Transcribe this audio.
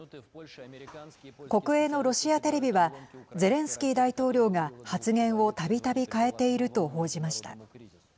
国営のロシアテレビはゼレンスキー大統領が発言をたびたび変えていると報じました。